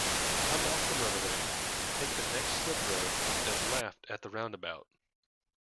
Come off the motorway, take the next slip-road, then left at the roundabout